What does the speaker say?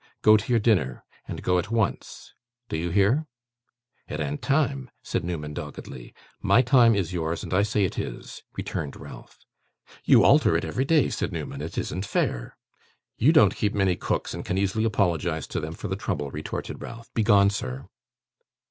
Go to your dinner. And go at once. Do you hear?' 'It an't time,' said Newman, doggedly. 'My time is yours, and I say it is,' returned Ralph. 'You alter it every day,' said Newman. 'It isn't fair.' 'You don't keep many cooks, and can easily apologise to them for the trouble,' retorted Ralph. 'Begone, sir!